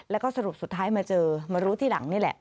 แล้วก็สรุปสุดท้ายมาเจอมารู้ที่หลังนี่แหละ